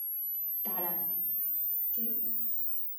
দাঁড়ান, কী?